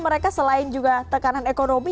mereka selain juga tekanan ekonomi